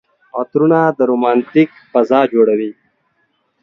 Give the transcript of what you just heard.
عطرونه د رومانتيک فضا جوړوي.